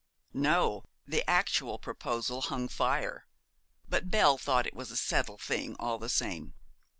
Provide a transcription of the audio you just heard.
'No; the actual proposal hung fire, but Belle thought it was a settled thing all the same.